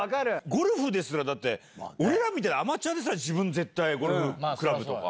ゴルフですら、だって、俺らみたいなアマチュアですら、自分の絶対、ゴルフクラブとか。